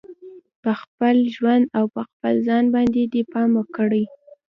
په خپل ژوند او په خپل ځان باندې دې پام کړي